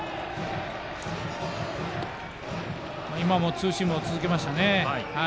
ツーシーム続けましたね。